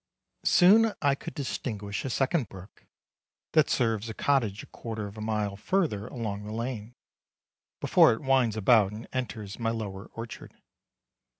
Soon I could distinguish a second brook, that serves a cottage a quarter of a mile further along the lane, before it winds about and enters my lower orchard.